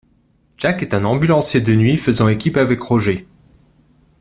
Jack est un ambulancier de nuit faisant équipe avec Roger.